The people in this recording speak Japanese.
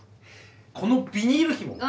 このビニールひもを。